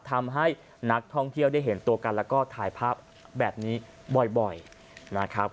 ทำให้นักท่องเที่ยวได้เห็นตัวกันแล้วก็ถ่ายภาพแบบนี้บ่อยนะครับ